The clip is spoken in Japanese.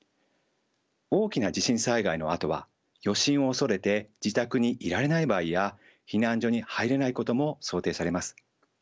大きな地震災害のあとは余震を恐れて自宅にいられない場合や避難所に入れないことも想定されます。